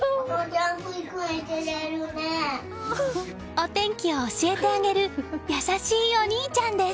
お天気を教えてあげる優しいお兄ちゃんです。